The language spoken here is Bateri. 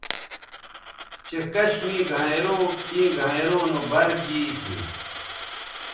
چہء کش می گھینئروں تیں گھینئروں نو بَر گی سی